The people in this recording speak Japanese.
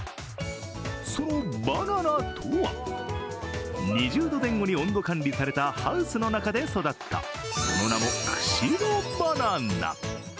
そのバナナとは、２０度前後に温度管理されたハウスの中で育ったその名も釧路バナナ。